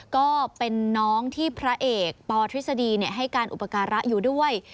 ก็เป็นน้องที่พระเอกปธฤษฎีให้การอุปการะอยู่ด้วย